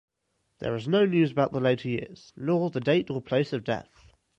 There is no news about the later years, nor the date or place of death.